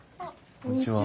こんにちは。